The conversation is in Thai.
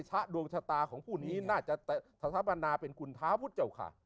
ชะดวงชะตาของผู้นี้น่าจะสถาปนาเป็นคุณท้าพุทธเจ้าค่ะ